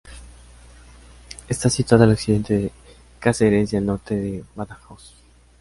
Está situada al occidente de Cáceres y al norte de Badajoz.